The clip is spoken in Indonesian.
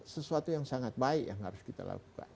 sesuatu yang sangat baik yang harus kita lakukan